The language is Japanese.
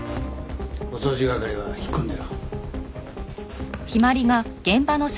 お掃除係は引っ込んでろ。